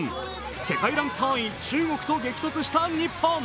世界ランク３位・中国と激突した日本。